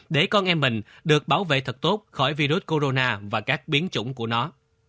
để con em mình được bảo vệ thật tốt khỏi virus corona và các biến chủng của nó